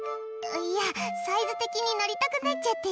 いや、サイズ的に乗りたくなっちゃって。